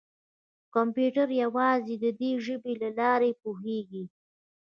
کمپیوټر یوازې د دې ژبې له لارې پوهېږي.